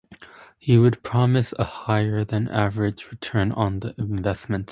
He would promise a higher than average return on the investments.